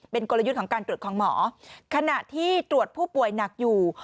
เป็นกลยุทธ์ของการตรวจของหมอขณะที่ตรวจผู้ป่วยหนักอยู่